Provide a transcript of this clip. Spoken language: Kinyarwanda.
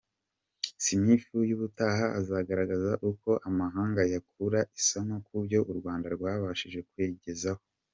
Smith y’ubutaha azagaragaza uko amahanga yakura isomo ku byo u Rwanda rwabashije kwigezaho.